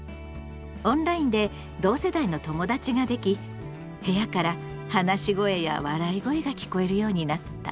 オンラインで同世代の友だちができ部屋から話し声や笑い声が聞こえるようになった。